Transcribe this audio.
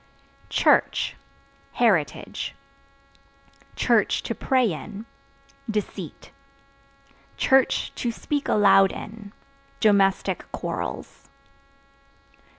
Church Heritage; (to pray in) deceit; (to speak aloud in) domestic quarrels.